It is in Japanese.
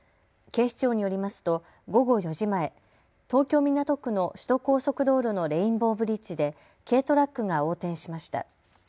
警視庁によりますと午後４時前、東京港区の首都高速道路のレインボーブリッジで軽トラックが横転しました。